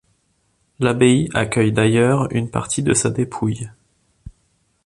L'abbaye accueille d'ailleurs une partie de sa dépouille.